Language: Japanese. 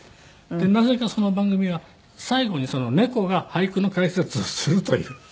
なぜかその番組は最後にその猫が俳句の解説をするという。